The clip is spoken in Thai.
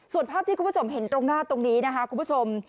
ส่วนภาพที่คุณผู้ชมเห็นตรงหน้าตรงนี้นะคะคุณผู้ชม